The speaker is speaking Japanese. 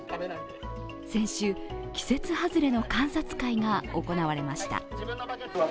先週、季節外れの観察会が行われました。